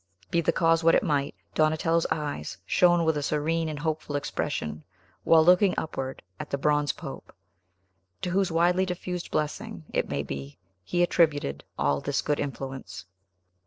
Be the cause what it might, Donatello's eyes shone with a serene and hopeful expression while looking upward at the bronze pope, to whose widely diffused blessing, it may be, he attributed all this good influence.